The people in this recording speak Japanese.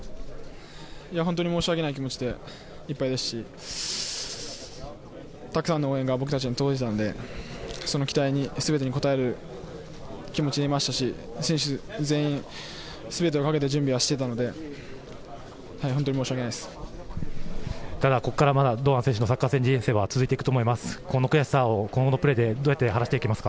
本当に申し訳ない気持ちでいっぱいですしたくさんの応援が僕たちに届いていたのでその期待の全てに応える気持ちでいましたし選手全員、全てを懸けて準備はしていたのでただ、ここからまだ堂安選手のサッカー人生は続いていくと思います。